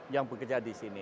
yang bekerja di sini